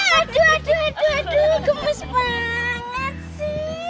aduh aduh aduh gemes banget sih